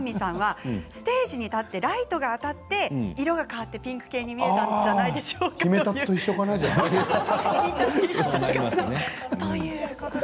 ステージに立ってライトがあたって色が変わってピンク系に見えたんじゃないでしょうか？